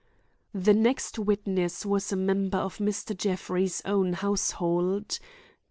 The next witness was a member of Mr. Jeffrey's own household.